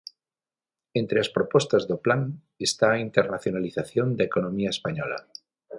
Entre as propostas do plan está a internacionalización da economía española.